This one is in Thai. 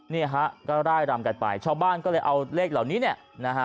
เนี่ยฮะก็ร่ายรำกันไปชาวบ้านก็เลยเอาเลขเหล่านี้เนี่ยนะฮะ